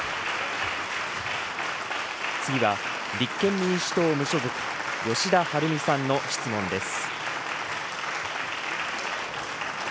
次は立憲民主党・無所属、吉田はるみさんの質問です。